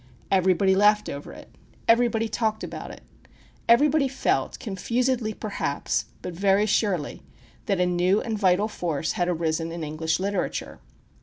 Everybody laughed over it. Everybody talked about it. Everybody felt, confusedly perhaps, but very surely, that a new and vital force had arisen in English literature.